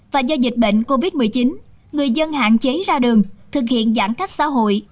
và do dịch bệnh covid một mươi chín người dân hạn chế ra đường thực hiện giãn cách xã hội